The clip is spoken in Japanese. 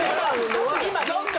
今どっかに。